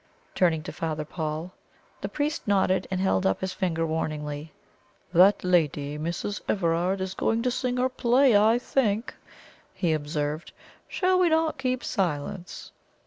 turning to Father Paul. The priest nodded, and held up his finger warningly. "That lady Mrs. Everard is going to sing or play, I think," he observed. "Shall we not keep silence?"